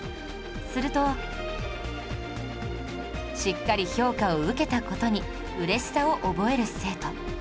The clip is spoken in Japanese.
するとしっかり評価を受けた事に嬉しさを覚える生徒